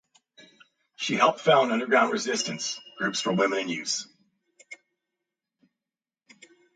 She helped found underground resistance groups for women and youths.